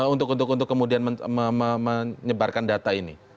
untuk untuk untuk kemudian menyebarkan data ini